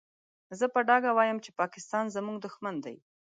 زه په ډاګه وايم چې پاکستان زموږ دوښمن دی.